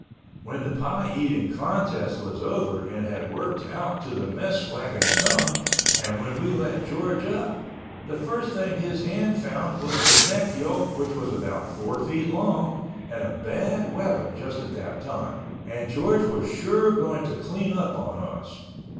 When the pie eating contest was over and had worked out to the messwagon tongue, and when we let George up, the first thing his hand found was the neck yoke which was about four feet long, and a bad weapon just at that time, and George was sure going to clean up on us.